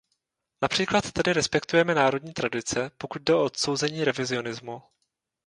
Například tedy respektujeme národní tradice, pokud jde o odsouzení revizionismu.